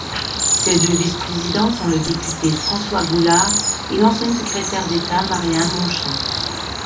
Ses deux vice-présidents sont le député François Goulard et l'ancienne secrétaire d'État Marie-Anne Montchamp.